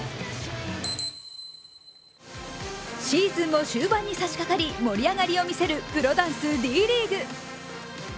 シーズンも終盤にさしかかり盛り上がりを見せるプロダンス・Ｄ．ＬＥＡＧＵＥ。